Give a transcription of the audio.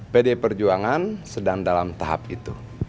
pdi perjuangan sedang dalam tahap itu